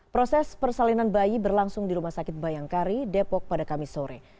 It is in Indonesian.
proses persalinan bayi berlangsung di rumah sakit bayangkari depok pada kamis sore